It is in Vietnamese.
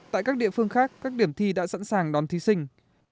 tại các địa phương khác các điểm thi đã sẵn sàng đón thí sinh